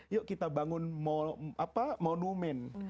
yuk kita bangun monumen